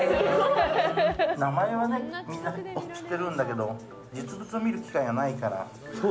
名前はみんな知ってるんだけど実物を見る機会はないから。